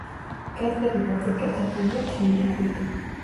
კედლები მოპირკეთებულია თლილი ქვით.